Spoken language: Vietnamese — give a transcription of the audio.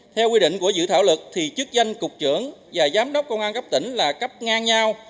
theo quy định của dự thảo luật thì chức danh cục trưởng và giám đốc công an cấp tỉnh là cấp ngang nhau